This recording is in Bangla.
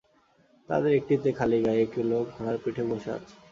তাদের একটিতে খালিগায়ে একটি লোক ঘোড়ার পিঠে বসে আছে।